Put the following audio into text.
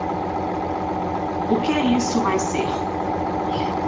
O que isso vai ser?